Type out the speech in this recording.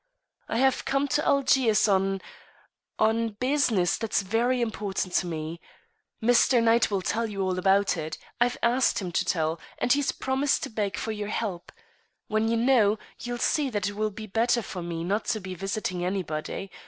"I have come to Algiers on on business that's very important to me. Mr. Knight will tell you all about it. I've asked him to tell, and he's promised to beg for your help. When you know, you'll see that it will be better for me not to be visiting anybody.